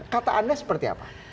kata anda seperti apa